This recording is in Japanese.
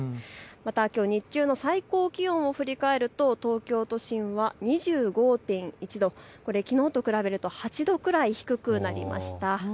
また、きょう日中の最高気温を振り返ると東京都心は２５．１度、これ、きのうと比べると８度くらい低くなりました。